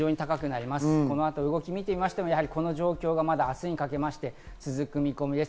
この後の動きを見てもこの状況が明日にかけても続く見込みです。